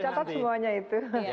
iya dicatat semuanya itu